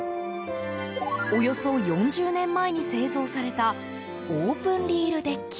およそ４０年前に製造されたオープンリールデッキ。